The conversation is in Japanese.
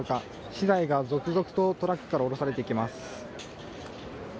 資材が続々とトラックから降ろされていきます。